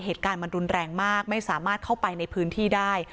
เหตุการณ์มันรุนแรงมากไม่สามารถเข้าไปในพื้นที่ได้